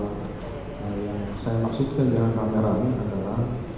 yang saya maksudkan dengan kameranya adalah